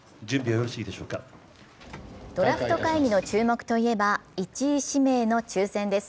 ドラフト会議の注目といえば、１位指名の抽選です。